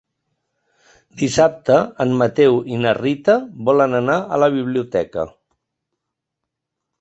Dissabte en Mateu i na Rita volen anar a la biblioteca.